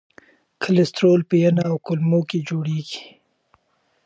کلسترول په ینه او کولمو کې جوړېږي.